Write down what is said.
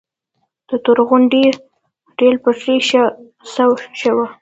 د تورغونډۍ ریل پټلۍ څه شوه؟